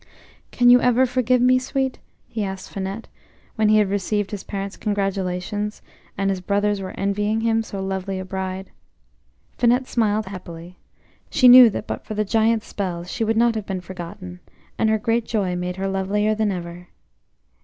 AN you ever forgive me, sweet?" he asked Finette, when he had received his parents' congratulations, and his brothers were envying him so lovely a bride. Finette smiled happily; she knew that but for the Giant's spells she would not have been forgotten, and her great joy made her lovelier than ever.